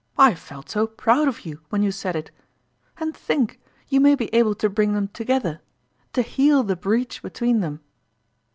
I felt so proud of you when you said it. And think, you may be able to bring them together to heal the breach between them